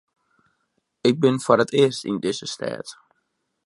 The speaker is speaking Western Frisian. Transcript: Ik bin foar it earst yn dizze stêd.